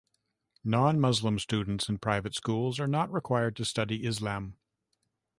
Non-Muslim students in private schools are not required to study Islam.